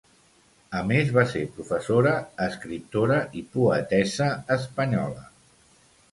A més va ser professora, escriptora i poetessa espanyola.